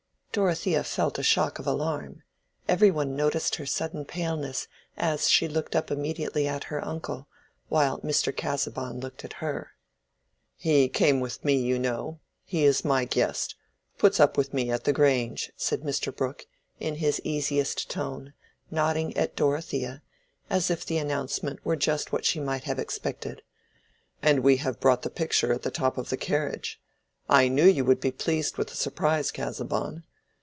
Dorothea felt a shock of alarm: every one noticed her sudden paleness as she looked up immediately at her uncle, while Mr. Casaubon looked at her. "He came with me, you know; he is my guest—puts up with me at the Grange," said Mr. Brooke, in his easiest tone, nodding at Dorothea, as if the announcement were just what she might have expected. "And we have brought the picture at the top of the carriage. I knew you would be pleased with the surprise, Casaubon.